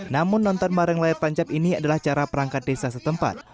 namun nonton bareng layar tancap ini adalah cara perangkat desa setempat